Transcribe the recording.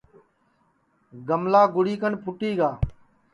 گملا گُڑی کن پھُوٹی گا